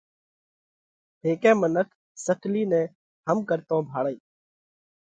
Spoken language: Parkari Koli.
هيڪئہ منک سڪلِي نئہ هم ڪرتون ڀاۯئِي۔